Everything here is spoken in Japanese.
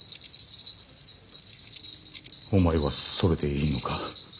お前はそれでいいのか？